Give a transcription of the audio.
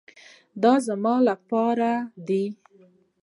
دا زموږ لپاره دي.